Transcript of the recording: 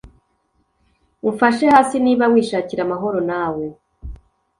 umfashe hasi niba wishakira amahoro nawe